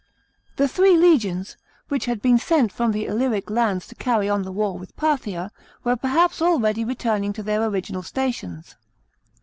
§ 18. The three legions, which had been sent from the Illyric lands to carry on the war with Parthia, were perhaps already returning to their original stations.